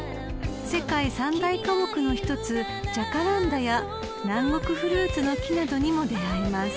［世界三大花木の１つジャカランダや南国フルーツの木などにも出合えます］